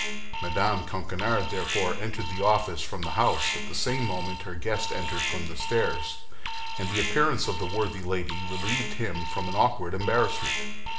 Mme. Coquenard therefore entered the office from the house at the same moment her guest entered from the stairs, and the appearance of the worthy lady relieved him from an awkward embarrassment.